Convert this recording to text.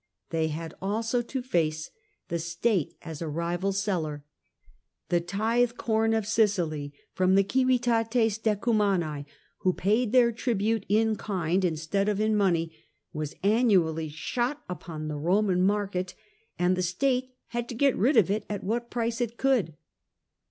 They had also to face the state as a rival seller; the tithe corn of Sicily from the civitates decumanm, who paid their tribute in kind instead of in money, was annually shot upon the Roman market, and the state had to get rid of it at what price it could.